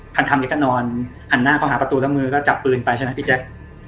คำทำแกก็นอนหันหน้าเข้าหาประตูแล้วมือก็จับปืนไปใช่ไหมพี่แจ๊ค